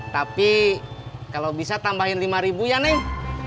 tapi kalau bisa tambahin lima ribu ya nih